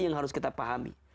yang harus kita pahami